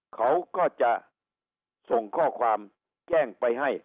เขาก็จะส่งข้อความแจ้งไปให้